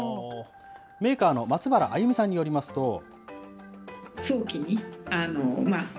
メーカーの松原あゆみさんによりますと。